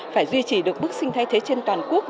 phải duy trì được bức sinh thay thế trên toàn quốc